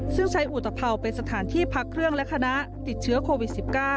ซึ่งใช้อุตภัวร์เป็นสถานที่พักเครื่องและคณะติดเชื้อโควิด๑๙